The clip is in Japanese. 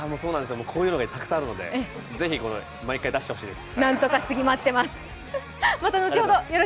こういうのがたくさんあるので、ぜひ毎回、出してほしいです。